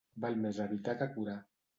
Val més evitar que curar